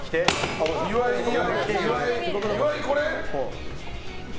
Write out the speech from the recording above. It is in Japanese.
岩井、これ？